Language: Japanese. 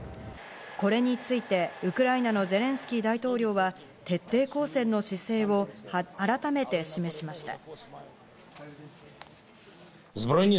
これについてウクライナのゼレンスキー大統領は徹底抗戦の姿勢を改めて示しました。